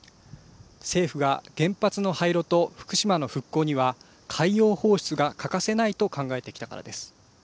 政府が原発の廃炉と福島の復興には海洋放出が欠かせないと考えてきたからです。